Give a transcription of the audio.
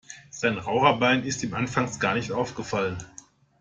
Sein Raucherbein ist ihm anfangs gar nicht aufgefallen.